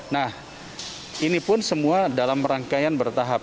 nah ini pun semua dalam rangkaian bertahap